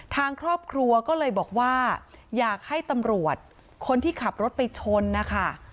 ทางครอบครัวก็เลยบอกว่าอยากให้ตำรวจคนที่ขับรถไปชนนะคะ